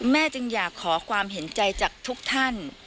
จึงอยากขอความเห็นใจจากทุกท่าน